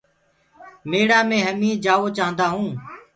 ميڙآ مي همي جآوو چآهندآ هونٚ۔